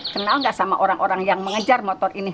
kenal nggak sama orang orang yang mengejar motor ini